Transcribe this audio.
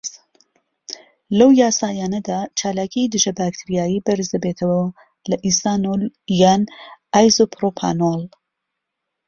لەو یاسایانەدا، چالاکی دژەبەکتریایی بەرزدەبێتەوە لە ئیثانۆڵ یان ئایزۆپڕۆپانۆڵ.